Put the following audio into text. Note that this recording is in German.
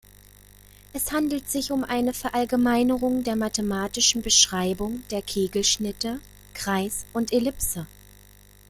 Es handelt sich um eine Verallgemeinerung der mathematischen Beschreibung der Kegelschnitte Kreis und Ellipse.